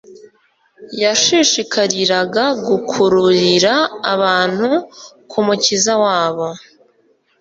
Yashishikariraga gukururira abantu ku Mukiza wabo.